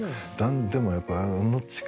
でも。